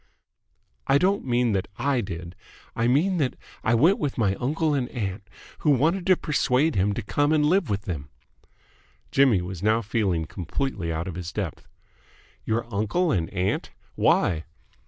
"I don't mean that I did. I mean that I went with my uncle and aunt, who wanted to persuade him to come and live with them." Jimmy was now feeling completely out of his depth. "Your uncle and aunt? Why?"